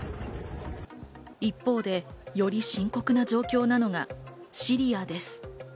一方でより深刻な状況なのがシリアです。